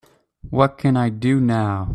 what can I do now?